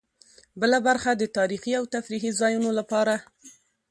بله برخه د تاريخي او تفريحي ځایونو لپاره.